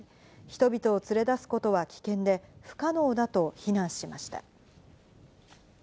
人々を連れ出すことは危険で不可能だと非難しました。